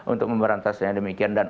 untuk memberantasnya demikian dan